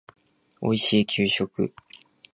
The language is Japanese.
おいしい給食